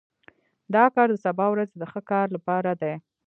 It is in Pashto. دا کار د سبا ورځې د ښه کار لپاره دی